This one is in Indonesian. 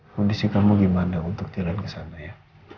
kondisi kamu gimana untuk jalan kesana ya